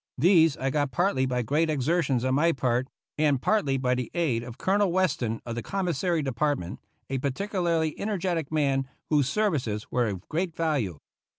These I got partly by great exertions on my part, and partly by the aid of Colonel GENERAL YOUNG'S FIGHT Weston of the Commissary Department, a par ticularly energetic man whose services were of great value.